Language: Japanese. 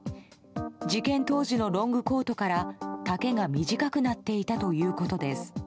事件当時のロングコートから丈が短くなっていたということです。